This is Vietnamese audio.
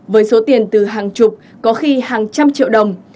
với số tiền từ hàng chục có khi hàng trăm triệu đồng